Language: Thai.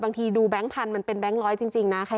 บางทีดูแบงค์พันธุมันเป็นแบงค์ร้อยจริงนะ